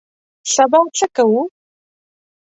سبا څه کوو؟